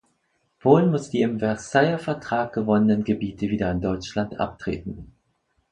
Polen muss die im Versailler Vertrag gewonnenen Gebiete wieder an Deutschland abtreten.